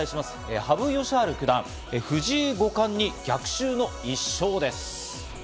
羽生善治九段、藤井五冠に逆襲の１勝です。